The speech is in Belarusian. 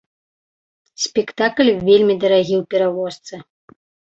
Спектакль вельмі дарагі ў перавозцы.